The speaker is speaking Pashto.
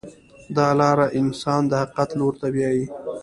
دا لاره انسان د حقیقت لور ته بیایي.